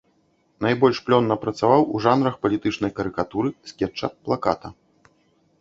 Найбольш плённа працаваў у жанрах палітычнай карыкатуры, скетча, плаката.